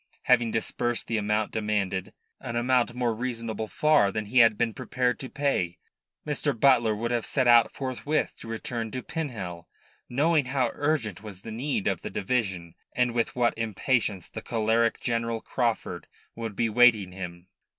Having disbursed the amount demanded an amount more reasonable far than he had been prepared to pay Mr. Butler would have set out forthwith to return to Pinhel, knowing how urgent was the need of the division and with what impatience the choleric General Craufurd would be awaiting him.